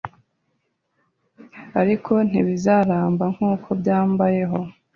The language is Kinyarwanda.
Ariko ntibizaramba nkuko byambayeho